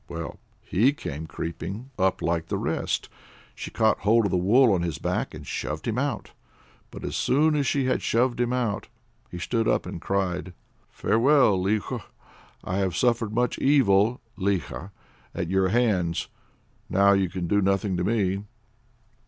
Well, he came creeping up like the rest. She caught hold of the wool on his back and shoved him out. But as soon as she had shoved him out, he stood up and cried: "Farewell, Likho! I have suffered much evil (likha) at your hands. Now you can do nothing to me."